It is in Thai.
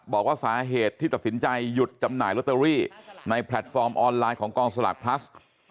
บอกว่าสาเหตุที่ตัดสินใจหยุดจำหน่ายลอตเตอรี่ในแพลตฟอร์มออนไลน์ของกองสลากพลัส